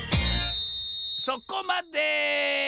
そこまで！